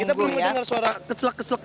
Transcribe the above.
kita belum dengar suara kecelak kecelak